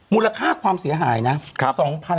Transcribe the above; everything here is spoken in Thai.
มูลค่าความเสียหายนะ